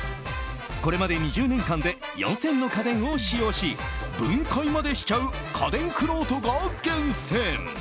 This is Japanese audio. これまで２０年間で４０００の家電を使用し分解までしちゃう家電くろうとが厳選。